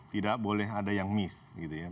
tidak boleh ada yang miss gitu ya